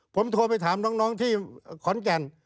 ผมโทรไปถามน้องที่ขอนแก่น